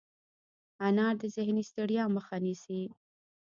انار د ذهني ستړیا مخه نیسي.